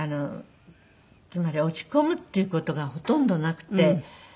つまり落ち込むっていう事がほとんどなくて。